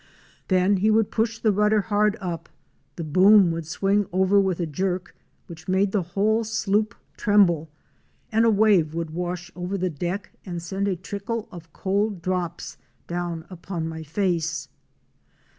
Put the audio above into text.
Then he would push the rudder hard up, the boom would swing over with a jerk which made the whole sloop tremble and a wave would wash over the deck and send a trickle of cold drops down upon my face.